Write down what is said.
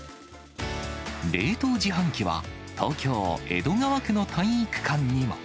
冷凍自販機は、東京・江戸川区の体育館にも。